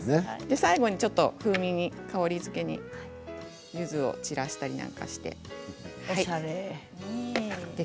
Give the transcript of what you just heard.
最後は風味に香りづけにゆずを散らしたりなんかして。